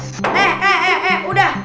eh eh eh udah